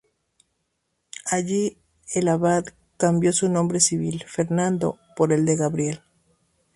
Allí el Abad cambió su nombre civil, "Fernando," por el de "Gabriel".